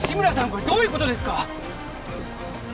これどういうことですか！？